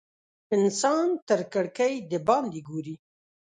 انسان تر کړکۍ د باندې ګوري.